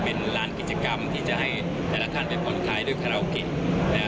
เป็นร้านกิจกรรมที่จะให้แต่ละท่านไปผ่อนคลายด้วยคาราโอเกะ